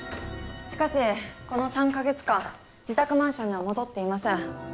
しかしこの３か月間自宅マンションには戻っていません。